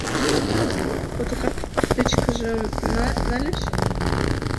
Фотокартычкыжым нальыч?